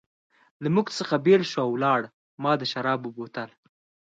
له موږ څخه بېل شو او ولاړ، ما د شرابو بوتل.